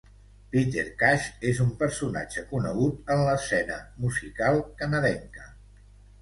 Peter Cash és un personatge conegut en l'escena musical canadenca.